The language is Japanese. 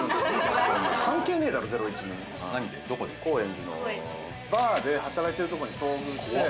高円寺のバーで働いてるところに遭遇して。